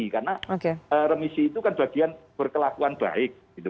karena remisi itu kan bagian berkelakuan baik